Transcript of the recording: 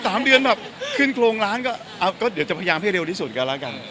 สามเดือนแบบขึ้นโครงล้านก็เอาก็เดี๋ยวจะพยายามให้เร็วที่สุดกันแล้วกัน